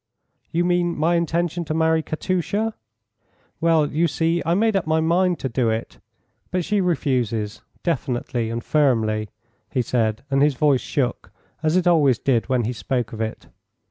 "You mean my intention to marry Katusha? Well, you see, I made up my mind to do it, but she refuses definitely and firmly," he said, and his voice shook, as it always did when he spoke of it.